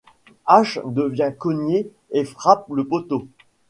Hache, deviens cognée et frappe le poteau